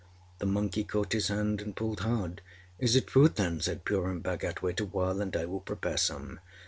â The monkey caught his hand and pulled hard. âIs it food, then?â said Purun Bhagat. âWait awhile, and I will prepare some.